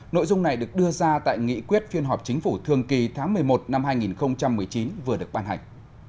nội dung này được đưa ra tại nghị quyết phiên họp chính phủ thường kỳ tháng một mươi một năm hai nghìn một mươi chín vừa được ban hành